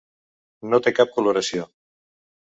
No té cap coloració.